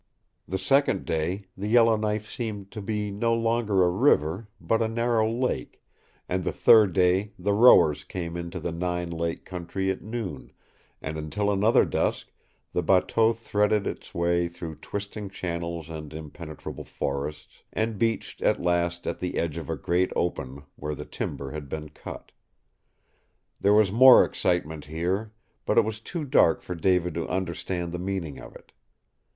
The second day the Yellowknife seemed to be no longer a river, but a narrow lake, and the third day the rowers came into the Nine Lake country at noon, and until another dusk the bateau threaded its way through twisting channels and impenetrable forests, and beached at last at the edge of a great open where the timber had been cut. There was more excitement here, but it was too dark for David to understand the meaning of it.